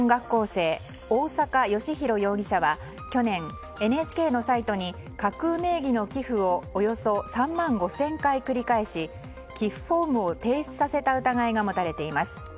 生大坂良広容疑者は去年、ＮＨＫのサイトに架空名義の寄付をおよそ３万５０００回繰り返し寄付フォームを停止させた疑いが持たれています。